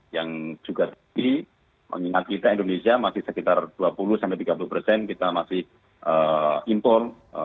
yang juga tinggi mengingat kita indonesia masih sekitar dua puluh tiga puluh persen kita masih impor